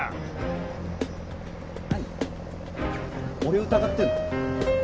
俺を疑ってるの？